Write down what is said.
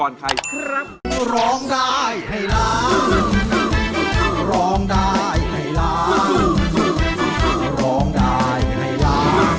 ร้องได้ไหมล่ะ